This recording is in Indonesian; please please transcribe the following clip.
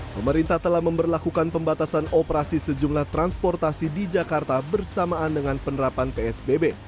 pemerintah telah memperlakukan pembatasan operasi sejumlah transportasi di jakarta bersamaan dengan penerapan psbb